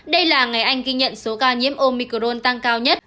đây là ngày anh ghi nhận số ca nhiễm omicron tăng cao nhất